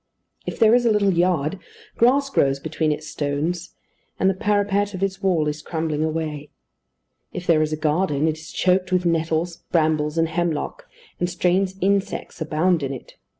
If there is a little yard, grass grows between its stones; and the parapet of its wall is crumbling away. If there is a garden, it is choked with nettles, brambles, and hemlock, and strange insects abound in it.